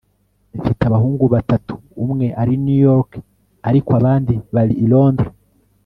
mfite abahungu batatu. umwe ari i new york, ariko abandi bari i londres